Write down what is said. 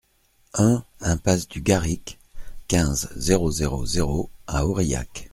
un impasse du Garric, quinze, zéro zéro zéro à Aurillac